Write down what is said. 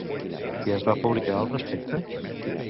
Què es va publicar al respecte?